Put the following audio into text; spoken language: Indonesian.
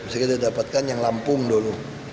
jadi kita dapatkan yang lampung dulu